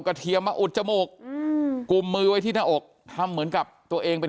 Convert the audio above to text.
เทียมมาอุดจมูกอืมกุมมือไว้ที่หน้าอกทำเหมือนกับตัวเองเป็น